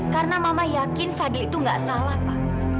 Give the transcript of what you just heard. karena mama yakin fadil itu gak salah pak